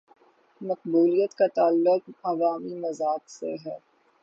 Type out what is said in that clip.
مقبولیت کا تعلق عوامی مذاق سے ہے۔